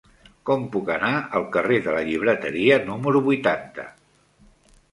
Com puc anar al carrer de la Llibreteria número vuitanta?